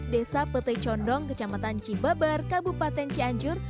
desa petecondong kecamatan cibabar kabupaten cianjur